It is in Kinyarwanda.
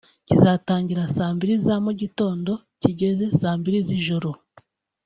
kizatangira saa mbili za mu gitondo kigeze saa mbili z’ijoro